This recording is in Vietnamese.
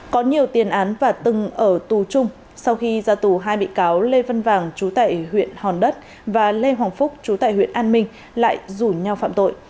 có nhiều tiền án và từng ở tù chung sau khi ra tù hai bị cáo lê văn vàng chú tại huyện hòn đất và lê hoàng phúc chú tại huyện an minh lại rủ nhau phạm tội